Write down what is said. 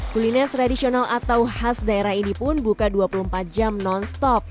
kuliner tradisional atau khas daerah ini pun buka dua puluh empat jam non stop